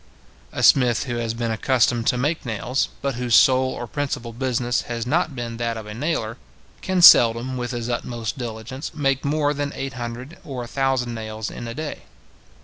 A smith who has been accustomed to make nails, but whose sole or principal business has not been that of a nailer, can seldom, with his utmost diligence, make more than eight hundred or a thousand nails in a day.